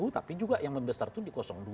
tapi juga yang membesar itu di dua